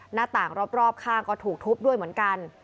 หน้าต่างรอบข้างก็ถูกทุบด้วยเหมือนกัน